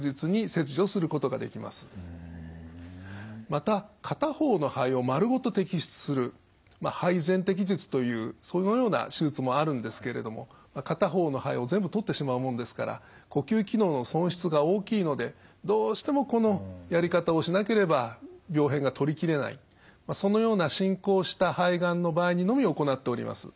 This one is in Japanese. また片方の肺をまるごと摘出する肺全摘術というそのような手術もあるんですけれども片方の肺を全部取ってしまうもんですから呼吸機能の損失が大きいのでどうしてもこのやり方をしなければ病変が取りきれないそのような進行した肺がんの場合にのみ行っております。